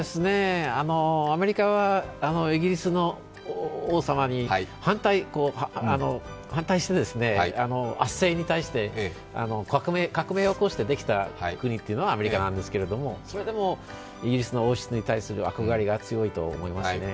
アメリカはイギリスの王様に反対して、圧政に対して、革命を起こしてできた国というのがアメリカなんですけど、それでもイギリスの王室に対する憧れが強いと思いますね。